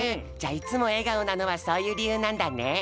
じゃあいつもえがおなのはそういうりゆうなんだね。